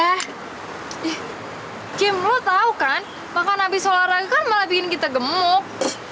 ih kim lo tau kan makan habis olahraga kan malah bikin kita gemuk